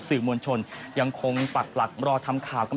สื่อมวลชนยังคงปักหลักรอทำข่าวกัน